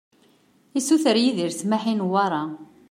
Yessuter Yidir ssmaḥ i Newwara.